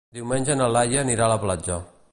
Diumenge na Laia anirà a la platja.